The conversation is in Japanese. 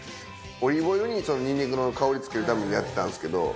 オリーブオイルにニンニクの香り付けるためにやってたんですけど。